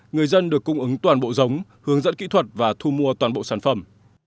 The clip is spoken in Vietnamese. người dân được cung ứng toàn bộ giống hướng dẫn kỹ thuật và thu mua toàn bộ sản phẩm